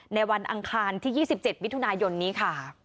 วันอังคารที่๒๗มิถุนายนนี้ค่ะ